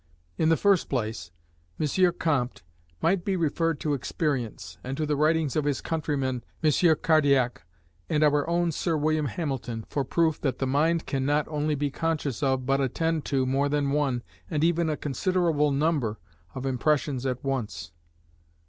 In the first place, M. Comte might be referred to experience, and to the writings of his countryman M. Cardaillac and our own Sir William Hamilton, for proof that the mind can not only be conscious of, but attend to, more than one, and even a considerable number, of impressions at once.